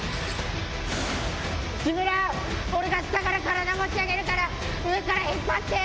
木村、俺が下から体持ち上げるから、上から引っ張って！